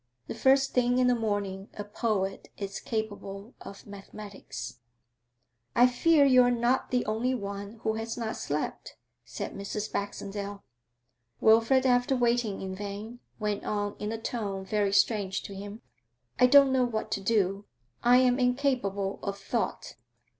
The first thing in the morning a poet is capable of mathematics. 'I fear you are not the only one who has not slept,' said Mrs. Baxendale. Wilfrid, after waiting in vain, went on in a tone very strange to him: 'I don't know what to do; I am incapable of thought.